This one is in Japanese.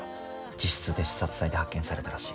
自室で刺殺体で発見されたらしい。